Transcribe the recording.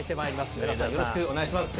よろしくお願いします。